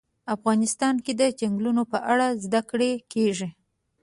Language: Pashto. افغانستان کې د چنګلونه په اړه زده کړه کېږي.